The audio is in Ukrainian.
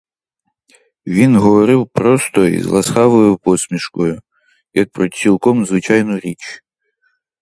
Він говорив просто й з ласкавою посмішкою, як про цілком звичайну річ.